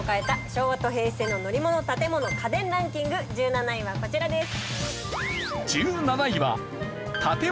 昭和と平成の乗り物・建物・家電ランキング１７位はこちらです。